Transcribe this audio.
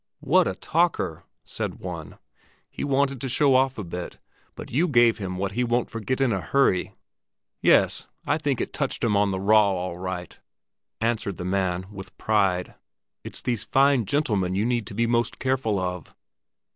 "What a talker!" said one. "He wanted to show off a bit, but you gave him what he won't forget in a hurry." "Yes, I think it touched him on the raw, all right," answered the man, with pride. "It's these fine gentlemen you need to be most careful of."